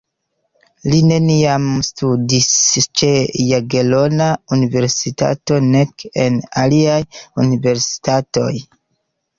Li neniam studis ĉe Jagelona Universitato nek en aliaj universitatoj.